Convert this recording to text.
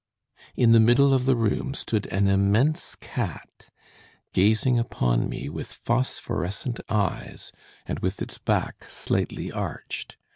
In the middle of the room stood an immense cat gazing upon me with phosphorescent eyes, and with its back slightly arched.